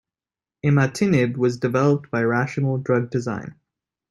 Imatinib was developed by rational drug design.